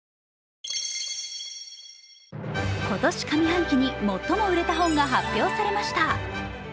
今年上半期に最も売れた本が発表されました。